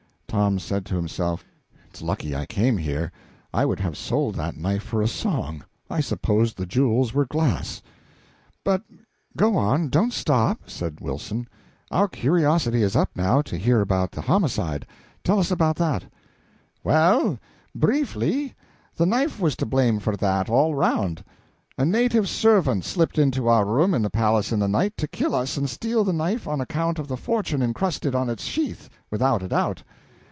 Tom said to himself "It's lucky I came here. I would have sold that knife for a song; I supposed the jewels were glass." "But go on; don't stop," said Wilson. "Our curiosity is up now, to hear about the homicide. Tell us about that." "Well, briefly, the knife was to blame for that, all around. A native servant slipped into our room in the palace in the night, to kill us and steal the knife on account of the fortune incrusted on its sheath, without a doubt.